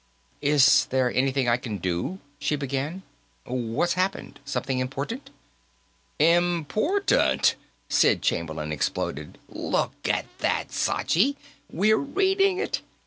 "Is there anything I can do ?" she began. "What's happened? Something important?" "Important?" Sid Chamberlain exploded. "Look at that, Sachi! We're reading it!